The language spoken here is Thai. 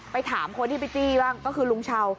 ถามคนที่ไปจี้บ้างก็คือลุงเช้า